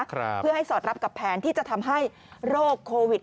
เพื่อให้สอดรับกับแผนที่จะทำให้โรคโควิด